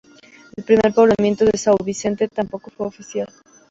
El primer poblamiento de São Vicente tampoco fue oficial.